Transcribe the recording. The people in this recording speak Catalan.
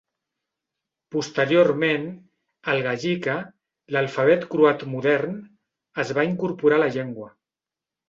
Posteriorment, el "Gajica", l'alfabet croat modern, es va incorporar a la llengua.